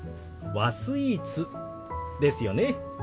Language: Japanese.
和スイーツですよね。